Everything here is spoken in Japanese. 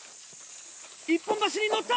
一本橋に乗った！